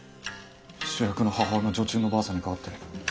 主役の母親も女中のばあさんに変わってる。